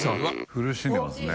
苦しんでますね。